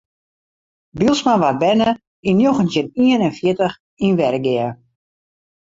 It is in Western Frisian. Bylsma waard berne yn njoggentjin ien en fjirtich yn Wergea.